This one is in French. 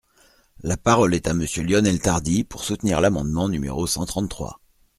La parole est à Monsieur Lionel Tardy, pour soutenir l’amendement numéro cent trente-trois.